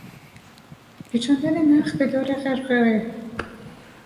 پیچاندن نخ به دور قرقره